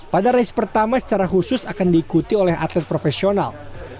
pada race pertama secara khusus akan diikuti oleh atlet profesional